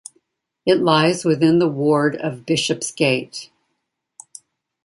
It lies within the ward of Bishopsgate.